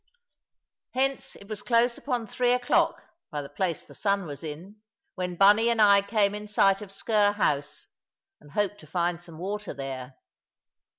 Hence it was close upon three o'clock, by the place the sun was in, when Bunny and I came in sight of Sker house, and hoped to find some water there.